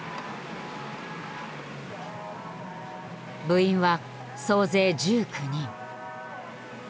部員は総勢１９人。